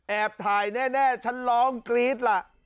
ถ่ายแน่ฉันร้องกรี๊ดล่ะ